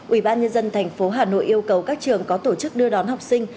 ubnd tp hà nội yêu cầu các trường có tổ chức đưa đón học sinh